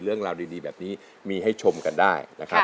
เรื่องราวดีแบบนี้มีให้ชมกันได้นะครับ